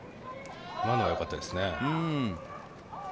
今のはよかったですね。